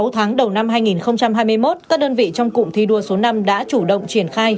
sáu tháng đầu năm hai nghìn hai mươi một các đơn vị trong cụm thi đua số năm đã chủ động triển khai